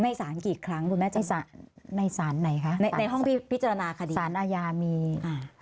สารกี่ครั้งคุณแม่ที่สารในศาลไหนคะในในห้องพิจารณาคดีสารอาญามีอ่า